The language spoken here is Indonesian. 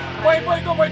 baik baik baik keteng baik